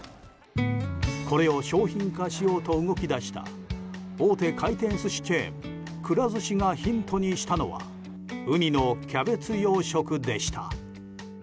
これを商品化しようと動き出した大手回転寿司チェーンくら寿司がヒントにしたのはウニのキャベツ養殖でした。